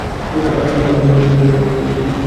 আমি প্রেমে পড়েছি।